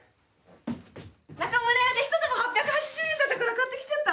中村屋でひと玉８８０円だったから買ってきちゃった！